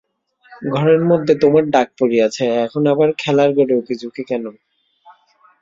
ঘরের মধ্যে তোমার ডাক পড়িয়াছে, এখন আবার খেলার ঘরে উঁকিঝুঁকি কেন।